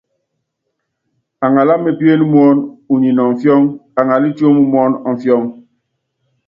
Aŋalá mepién muɔn uniɛ ni imfiɔ́ŋ, aŋalá tióm muɔ́n ɔmfiɔŋ.